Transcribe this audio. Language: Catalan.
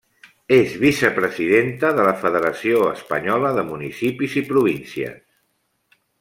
És vicepresidenta de la Federació Espanyola de Municipis i Províncies.